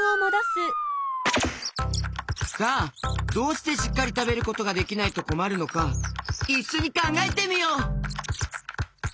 さあどうしてしっかりたべることができないとこまるのかいっしょにかんがえてみよう！